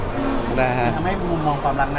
มันทำให้มุมมองความรัก